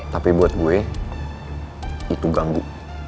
tapi buat gue itu ganggu